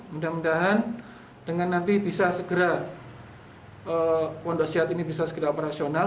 mudah mudahan dengan nanti bisa segera pondok sehat ini bisa segera operasional